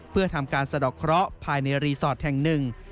เพื่อทำการสะดอกเคราะห์ภายในรีสอร์ทแห่งหนึ่ง